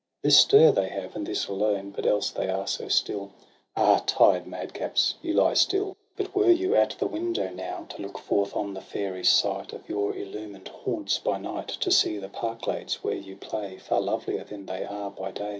This stir they have, and this alone; But else they are so still !— Ah, tired madcaps ! you lie still ; But were you at the window now. To look forth on the fairy sight Of your illumined haunts by night, To see the park glades where you play Far lovelier than they are by day.